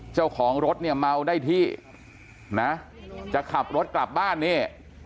เจ้าของรถเนี่ยเมาได้ที่นะจะขับรถกลับบ้านนี่